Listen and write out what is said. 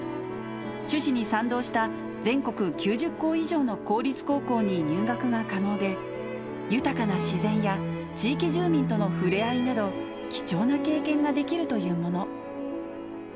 趣旨に賛同した、全国９０校以上の公立高校に入学が可能で、豊かな自然や地域住民とのふれあいなど、貴重な経験ができるというもの。